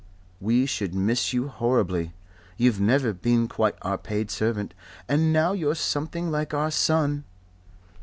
We should miss you horribly. You've never been quite our paid servant. And now you're something like our son."